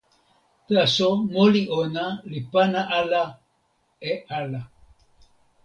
taso moli ona li pana ala e ala.